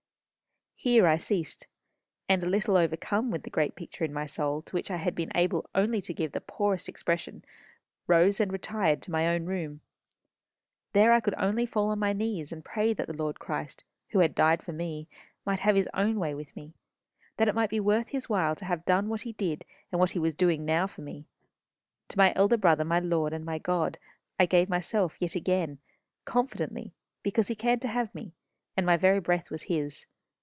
Here I ceased, and a little overcome with the great picture in my soul to which I had been able only to give the poorest expression, rose, and retired to my own room. There I could only fall on my knees and pray that the Lord Christ, who had died for me, might have his own way with me that it might be worth his while to have done what he did and what he was doing now for me. To my Elder Brother, my Lord, and my God, I gave myself yet again, confidently, because he cared to have me, and my very breath was his.